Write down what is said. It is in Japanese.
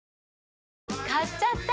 買っちゃった！